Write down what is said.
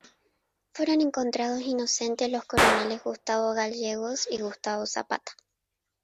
Fueron encontrados inocentes los coroneles Gustavo Gallegos y Gustavo Zapata.